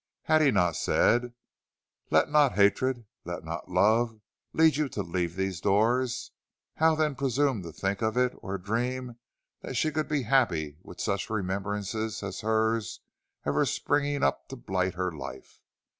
Had he not said, "Let not hatred, let not love, lead you to leave these doors"? How then presume to think of it or dream that she could be happy with such remembrances as hers ever springing up to blight her life?